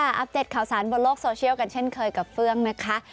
อัปเดตข่าวสารบนโลกโซเชียลกันเช่นเคยกับเฟื่องนะคะ